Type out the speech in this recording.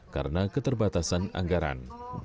karena keterbatasan anggaran